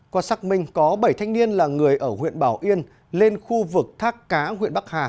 qua xác minh có bảy thanh niên là người ở huyện bảo yên lên khu vực thác cá huyện bắc hà